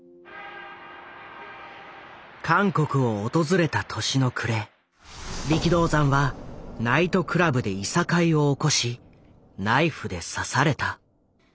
韓国を訪れた年の暮れ力道山はナイトクラブでいさかいを起こしナイフで刺された。